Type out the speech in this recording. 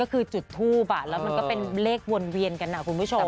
ก็คือจุดทูปแล้วมันก็เป็นเลขวนเวียนกันนะคุณผู้ชม